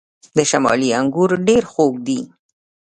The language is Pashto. د شمالی انګور ډیر خوږ دي.